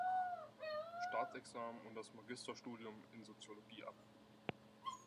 Staatsexamen und das Magisterstudium in Soziologie ab.